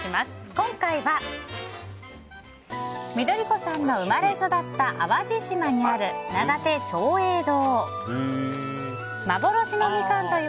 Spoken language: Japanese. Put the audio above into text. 今回は緑子さんの生まれ育った淡路島にある長手長栄堂。